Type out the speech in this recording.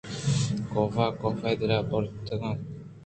آئی ءَ کاف ءِدل برتگ ات